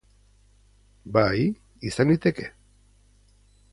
Bai, izan liteke.